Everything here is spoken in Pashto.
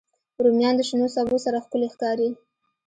رومیان د شنو سبو سره ښکلي ښکاري